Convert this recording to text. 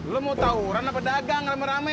lu mau tawuran apa dagang rame rame